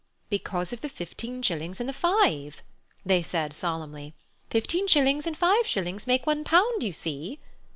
"Because of the fifteen shillings and the five," they said solemnly. "Fifteen shillings and five shillings make one pound, you see."